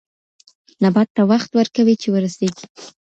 نبات ته وخت ورکوي چې ورسېږي.